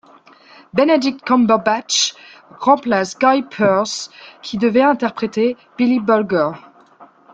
Benedict Cumberbatch remplace Guy Pearce qui devait interpréter Billy Bulger.